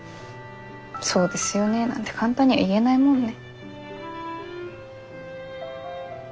そうですよねなんて簡単には言えないもんね。